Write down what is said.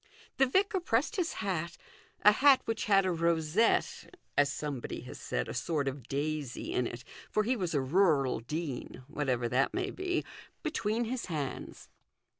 The vicar pressed his hat a hat which had a rosette, as somebody has said, a sort of daisy in it, for he was a rural dean, whatever that may be between his hands.